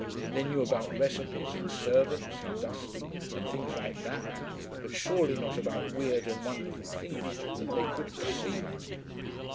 They knew about recipes, and servants, and dusting, and things like that but surely not about weird and wonderful things that they couldn't see?